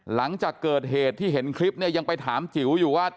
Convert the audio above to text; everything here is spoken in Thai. หลังจากเกิดเหตุที่เห็นคลิปเนี่ยยังไปถามจิ๋วอยู่ว่า